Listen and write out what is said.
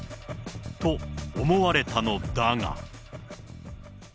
と思われたのだが。